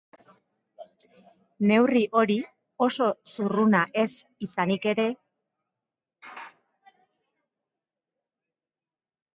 Neurri hori oso zurruna ez izanik ere.